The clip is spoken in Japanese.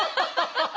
ハハハハ！